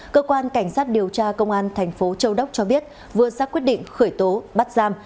cơ quan cảnh sát điều tra công an tp châu đốc cho biết vừa xác quyết định khởi tố bắt giam